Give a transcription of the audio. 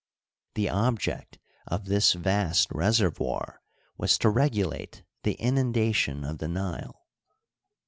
The object of this vast reservoir was to regulate the inunda tion of the Nile.